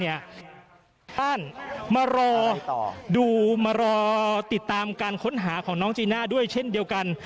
ท่านมารอดูมารอติดตามการค้นหาของน้องจีน่าด้วยเช่นเดียวกัน